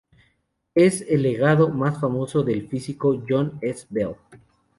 Es el legado más famoso del físico John S. Bell.